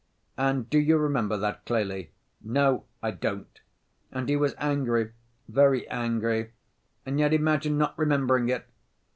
'And do you remember that clearly?' 'No, I don't.' And he was angry, very angry, and yet imagine not remembering it!